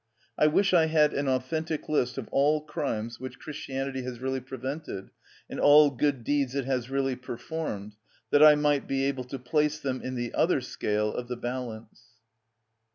I wish I had an authentic list of all crimes which Christianity has really prevented, and all good deeds it has really performed, that I might be able to place them in the other scale of the balance.